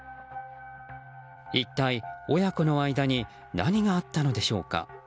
一体親子の間に何があったのでしょうか。